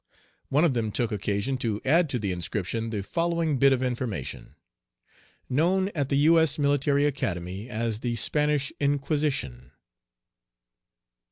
One of them took occasion to add to the inscription the following bit of information: "Known at the U. S. Military Academy as the 'Spanish Inquisition.'"